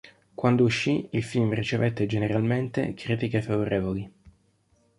Quando uscì, il film ricevette generalmente critiche favorevoli.